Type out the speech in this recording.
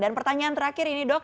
dan pertanyaan terakhir ini dok